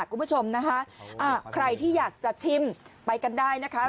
คุณผู้ชมนะคะใครที่อยากจะชิมไปกันได้นะคะ